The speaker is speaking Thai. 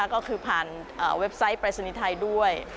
ก็คือผ่านเว็บไซต์ปรายศนีย์ไทยด้วย